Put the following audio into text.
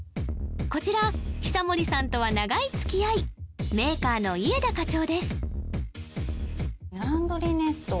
こちら久守さんとは長いつきあいメーカーの家田課長です